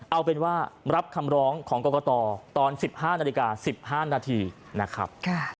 เอาเป็นว่ารับคำร้องของกรกฎต่อตอนสิบห้านาฬิกาสิบห้านนาทีนะครับ